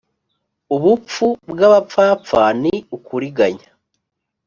ubupfu bw’abapfapfa ni ukuriganya